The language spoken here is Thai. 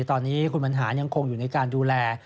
ตอนนี้คุณบรรหารยังคงอยู่ในการดูแล